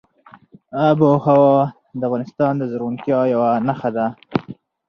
آب وهوا د افغانستان د زرغونتیا یوه نښه ده.